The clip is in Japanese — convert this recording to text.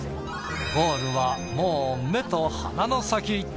ゴールはもう目と鼻の先。